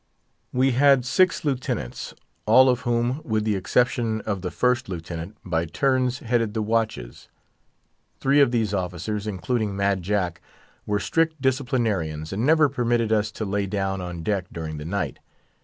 We had six lieutenants, all of whom, with the exception of the First Lieutenant, by turns headed the watches. Three of these officers, including Mad Jack, were strict disciplinarians, and never permitted us to lay down on deck during the night.